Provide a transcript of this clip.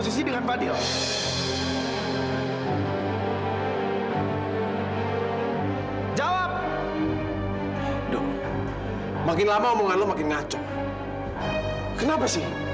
sampai jumpa di video selanjutnya